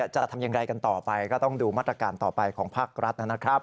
จะทำอย่างไรกันต่อไปก็ต้องดูมาตรการต่อไปของภาครัฐนะครับ